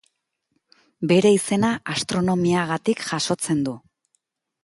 Bere izena astronomiagatik jasotzen du.